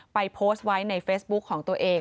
โพสต์ไว้ในเฟซบุ๊คของตัวเอง